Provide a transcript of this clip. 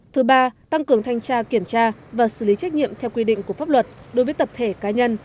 thứ ba tăng cường thanh tra kiểm tra và xử lý trách nhiệm theo quy định của pháp luật đối với tập thể cá nhân